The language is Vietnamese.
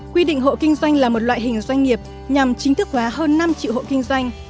quy định hộ kinh doanh là một loại hình doanh nghiệp nhằm chính thức hóa hơn năm triệu hộ kinh doanh